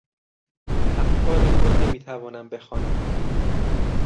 افکار او را نمی توانم بخوانم.